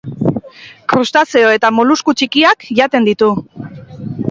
Krustazeo eta molusku txikiak jaten ditu.